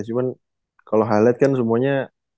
cuman kalau highlight kan semuanya